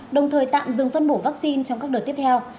đồng thời tạm dừng phân bổ vaccine trong các đợt tiếp theo